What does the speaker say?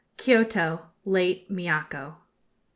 KIOTO, LATE MIACO.